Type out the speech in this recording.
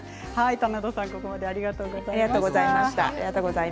棚田さん、ここまでありがとうございました。